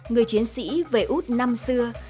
người chiến sĩ về út năm xưa